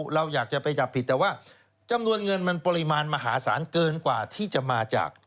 เราอยากจะไปจับผิดแต่ว่าจำนวนเงินมันปริมาณมหาศาลเกินกว่าที่จะมาจาก